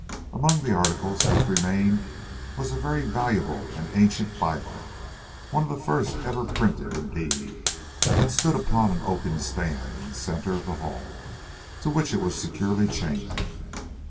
Among the articles which remained was a very valuable and ancient bible, one of the first ever printed indeed, that stood upon an oaken stand in the centre of the hall, to which it was securely chained.